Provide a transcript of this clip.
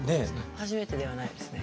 初めてではないですね。